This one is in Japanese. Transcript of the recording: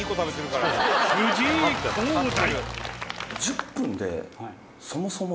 藤井幸大。